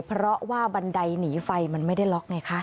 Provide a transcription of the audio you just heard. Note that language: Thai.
เพราะว่าบันไดหนีไฟมันไม่ได้ล็อกไงคะ